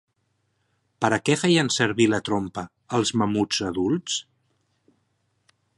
Per a què feien servir la trompa els mamuts adults?